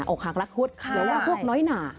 ออกหากรักคุดแล้วพวกน้อยหนา